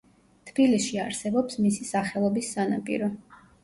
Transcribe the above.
თბილისში არსებობს მისი სახელობის სანაპირო.